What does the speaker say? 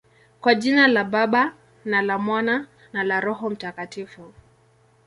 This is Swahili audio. Kwa jina la Baba, na la Mwana, na la Roho Mtakatifu.